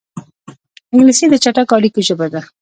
انګلیسي د چټکو اړیکو ژبه ده